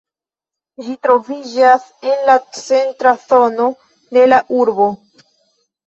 Ĝi troviĝas en la centra zono de la urbo.